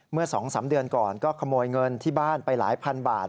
เมื่อ๒๓เดือนก่อนก็ขโมยเงินที่บ้านไปหลายพันบาท